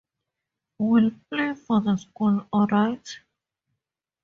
We'll play for the school all right.